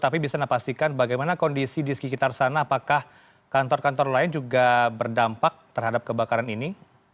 tapi bisa anda pastikan bagaimana kondisi di sekitar sana apakah kantor kantor lain juga berdampak terhadap kebakaran ini